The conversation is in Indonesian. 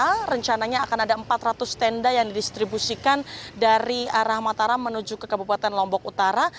sampai saat ini saya melaporkan di posko pengungsian kecamatan tanjung di desa tanjung ini pun ada tanda yang di distribusikan dari arah mataram menuju ke kabupaten lombok utara